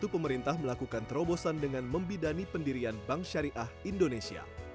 pada dua ribu dua puluh satu pemerintah melakukan terobosan dengan membidani pendirian bank syariah indonesia